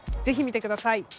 ぜひ見てください！